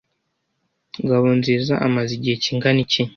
Ngabonziza amaze igihe kingana iki?